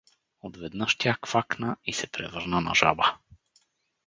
Отведнъж тя квакна и се превърна на жаба.